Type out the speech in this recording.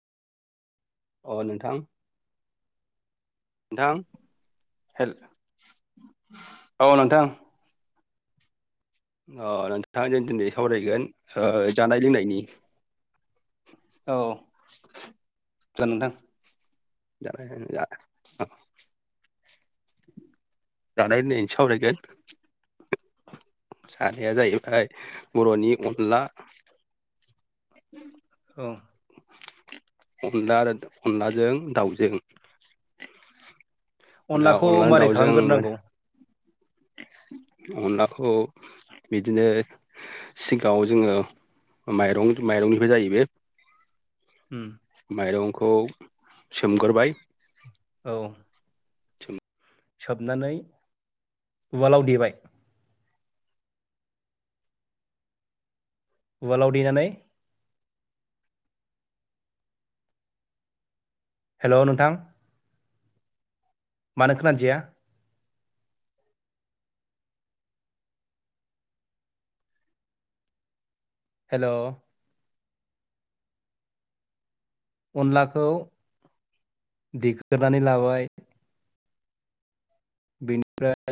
अ नोंथां। नोथां हेल औ नोंथां अ नोंथाङा जों दिनै सावरायगोन ओ जानाय लोंनायनि औ [unintelligible] नोंथां [unintelligible] जानाय [unintelligible] सावरायगोन जानाया जाहैबाय बर'नि अनला औ अनला आरो अनलाजों दाउजों दा अनलाखौ अनला मारै दाउजों खालामग्रोनांगौ अनलाखौ बिदिनो सिगाङाव जोङो माइरं माइरंनिफ्राय जायो बे उम माइरंखौ सोमगोरबाय औ सोम सोबनानै उवालाव देबाय उवालाव देनानै हेल' नोंथां मानो खोनादिया? हेल' अनलाखौ देग्रोनानै लाबाय बेनिफ्राय